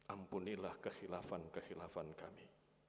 ampunilah kekhilafan kehilafan kami